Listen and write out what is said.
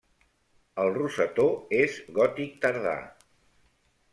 El rosetó és gòtic tardà.